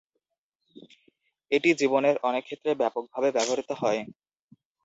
এটি জীবনের অনেক ক্ষেত্রে ব্যাপকভাবে ব্যবহৃত হয়।